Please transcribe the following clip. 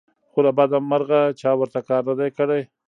خو له بدمرغه چا ورته کار نه دى کړى